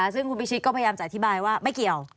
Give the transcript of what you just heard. ซึ่งคุณพิชิตก็พยายามจะอธิบายว่าไม่เกี่ยว